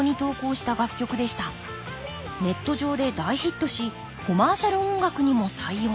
ネット上で大ヒットしコマーシャル音楽にも採用。